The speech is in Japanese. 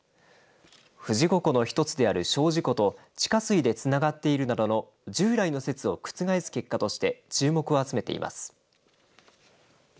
富士五湖の一つである精進湖と地下水でつながっているなどの従来の説を覆す結果として注目を集めています。